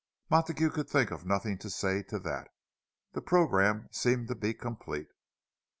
Montague could think of nothing to say to that. The programme seemed to be complete.